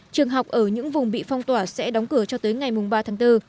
trường học ở những vùng bị phong tỏa sẽ đóng cửa cho tới ngày ba tháng bốn